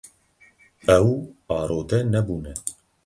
Ew arode nebûne.